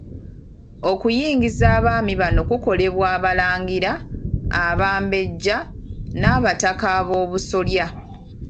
Okuyingiza abaami bano kukolebwa abalangira, abambejja, n'abataka ab'obusolya.